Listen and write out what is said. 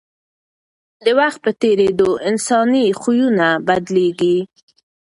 د وخت په تېرېدو انساني خویونه بدلېږي.